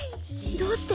どうして？